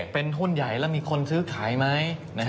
เป็นหุ้นใหญ่แล้วมีคนซื้อขายไหม